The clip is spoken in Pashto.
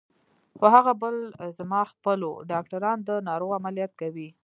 خو هغه بل زما خپل و، ډاکټران د ناروغ عملیات کوي.